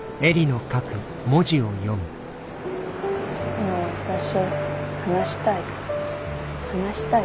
「でも私話したい」。